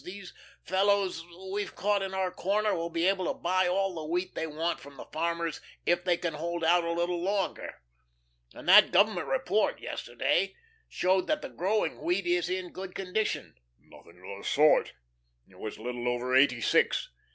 These fellows we've caught in the corner will be able to buy all the wheat they want from the farmers if they can hold out a little longer. And that Government report yesterday showed that the growing wheat is in good condition." "Nothing of the sort. It was a little over eighty six."